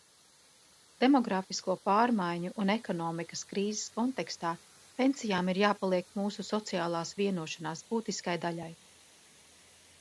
Demogrāfisko pārmaiņu un ekonomikas krīzes kontekstā pensijām ir jāpaliek mūsu sociālās vienošanās būtiskai daļai.